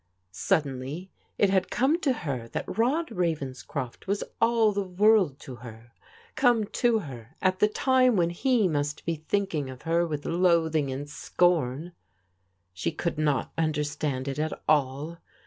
Suddenly it had come to her that Rod Ravens croft was all the world to her, come to her at the time when he must be thinking of her with loathing and scorn ! She could not understand it at all.